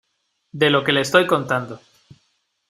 de lo que le estoy contando,